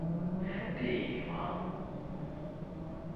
det er ikke meget.